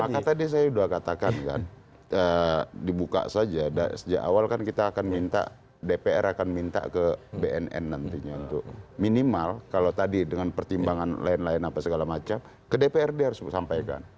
maka tadi saya sudah katakan kan dibuka saja sejak awal kan kita akan minta dpr akan minta ke bnn nantinya untuk minimal kalau tadi dengan pertimbangan lain lain apa segala macam ke dprd harus disampaikan